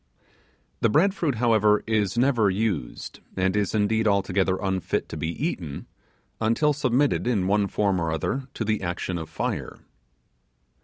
The bread fruit, however, is never used, and is indeed altogether unfit to be eaten, until submitted in one form or other to the action of fire.